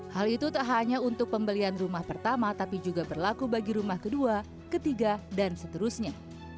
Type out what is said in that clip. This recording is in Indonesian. hal itu tak hanya untuk pembelian rumah pertama tapi juga berlaku bagi rumah kedua ketiga dan seterusnya